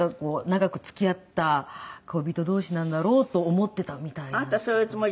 長く付き合った恋人同士なんだろうと思ってたみたいなんですけども。